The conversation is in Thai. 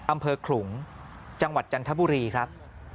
อำเภอขลุงจังหวัดจันทบุรีครับ